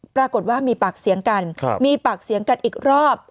ปรากฏว่ามีปากเสียงกันมีปากเสียงกันอีกรอบ